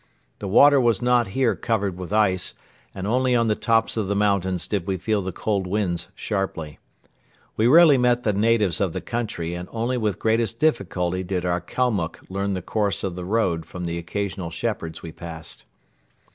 The water was not here covered with ice and only on the tops of the mountains did we feel the cold winds sharply. We rarely met the natives of the country and only with greatest difficulty did our Kalmuck learn the course of the road from the occasional shepherds we passed.